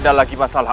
tetapi mas ibn ali